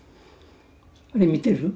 あれ見てる？